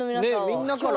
ねみんなから。